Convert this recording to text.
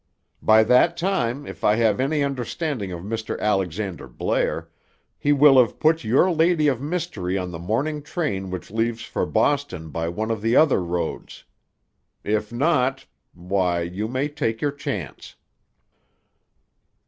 "By that time, if I have any understanding of Mr. Alexander Blair, he will have put your Lady of Mystery on the morning train which leaves for Boston by one of the other roads. If not—why, you may take your chance."